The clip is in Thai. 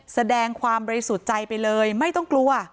แสดงความบริสุทธิ์ใจไปเลยไม่ต้องกลัว